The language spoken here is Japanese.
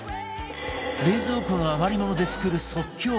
冷蔵庫の余り物で作る即興メシ